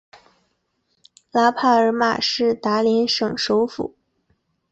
拉帕尔马是达连省首府。